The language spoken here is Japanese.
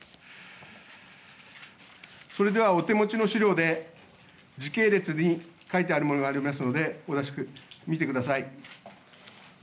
それではお手持ちの資料で、時系列に書いてあるものがございますので、見てください。